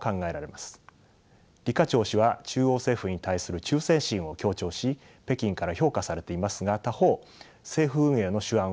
李家超氏は中央政府に対する忠誠心を強調し北京から評価されていますが他方政府運営の手腕は未知数です。